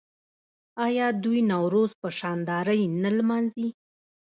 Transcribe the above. آیا دوی نوروز په شاندارۍ نه لمانځي؟